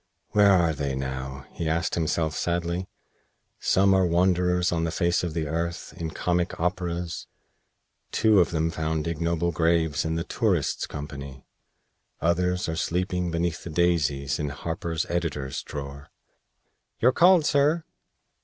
"Where are they now?" he asked himself, sadly. "Some are wanderers on the face of the earth, in comic operas. Two of them found ignoble graves in the 'Tourists'' company. Others are sleeping beneath the daisies in Harper's 'Editor's Drawer.'" "You're called, sir!"